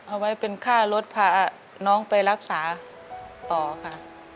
เอาไว้เป็นค่ารถพาน้องไปรักษาต่อค่ะ